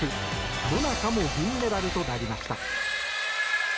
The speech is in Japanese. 野中も銀メダルとなりました。